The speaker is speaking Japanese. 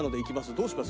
どうします？